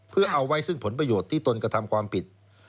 เพื่อเอาไว้ซึ่งผลประโยชน์ที่ตนกระทำความผิด